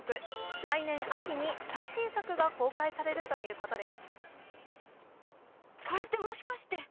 来年秋に最新作が公開されるということです。